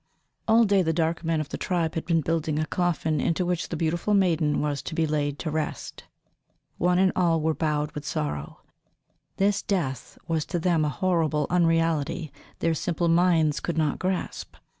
All day the dark men of the tribe had been building a coffin into which the beautiful maiden was to be laid to rest. One and all were bowed with sorrow; this death was to them a horrible unreality their simple minds could not grasp.